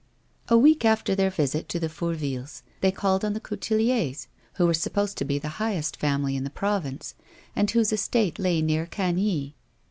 A week after their visit to the Fourvilles, they called on the Couteliers, who were supposed to be the highest family in the province, and whose estate lay near Cany.